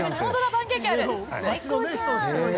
パンケーキある、最高じゃん。